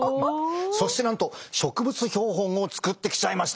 そしてなんと植物標本を作ってきちゃいました。